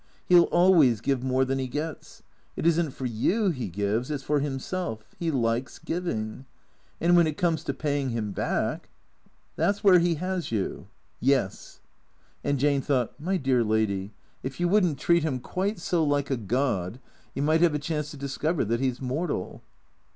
" He '11 always give more than he gets. It is n't for you he gives, it 's for himself. He likes giving. And when it comes to paying him back "" That 's where he has you ?"" Yes." And Jane thought, " My dear lady, if you would n't treat him quite so like a god, he might have a chance to discover that he 's mortal."